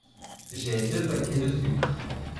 J'ai deux paquets de sucre.